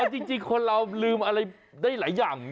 จริงคนเราลืมอะไรได้หลายอย่าง